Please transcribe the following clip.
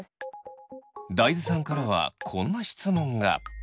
大豆さんからはこんな質問が。